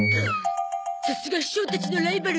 さすが師匠たちのライバル。